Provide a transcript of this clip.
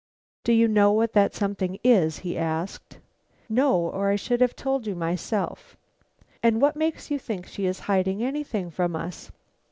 "Do you know what that something is?" he asked. "No, or I should tell you myself." "And what makes you think she is hiding anything from us?"